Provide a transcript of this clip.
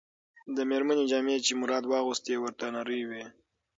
د مېرمنې جامې چې مراد واغوستې، ورته نرۍ وې.